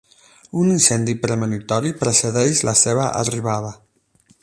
Un incendi premonitori precedeix la seva arribada.